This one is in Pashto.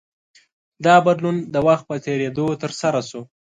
دا بدلون د وخت په تېرېدو ترسره شو.